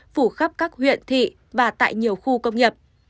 phủ khắp các huyện thị và tại nhiều khu công nghiệp